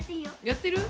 やってる？